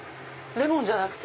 レモンじゃなくて？